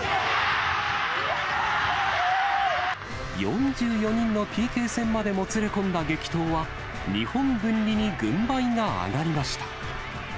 ４４人のＰＫ戦までもつれ込んだ激闘は、日本文理に軍配が上がりました。